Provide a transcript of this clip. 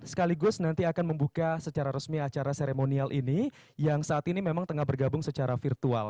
sekaligus nanti akan membuka secara resmi acara seremonial ini yang saat ini memang tengah bergabung secara virtual